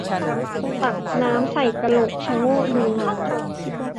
ตักน้ำใส่กะโหลก ชะโงกดูเงา